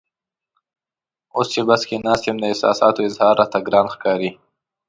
اوس چې بس کې ناست یم احساساتو اظهار راته ګران ښکاري.